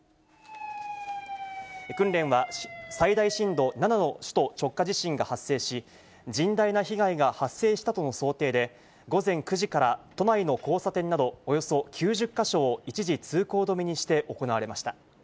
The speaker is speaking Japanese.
訓練は、最大震度７の首都直下地震が発生し、甚大な被害が発生したとの想定で、午前９時から都内の交差点などおよそ９０か所を一時通行止めにして行われました。